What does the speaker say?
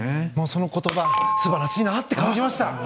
その言葉素晴らしいなって感じました。